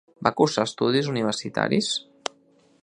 Va cursar estudis universitaris?